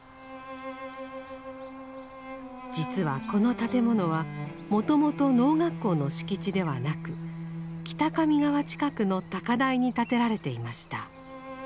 実はこの建物はもともと農学校の敷地ではなく北上川近くの高台に建てられていました。